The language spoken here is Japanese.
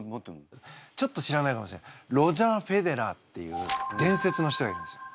ちょっと知らないかもしれないロジャー・フェデラーっていう伝説の人がいるんですよ。